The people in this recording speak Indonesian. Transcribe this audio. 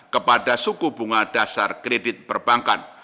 kepada suku bunga dasar kredit perbankan